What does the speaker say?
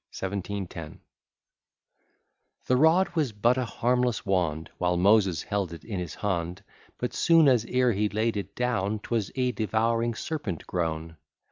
1710 The rod was but a harmless wand, While Moses held it in his hand; But, soon as e'er he laid it down, Twas a devouring serpent grown.